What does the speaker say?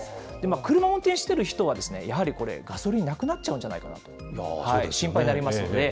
車を運転している人は、やはりこれ、ガソリンなくなっちゃうんじゃないかと心配になりますよね。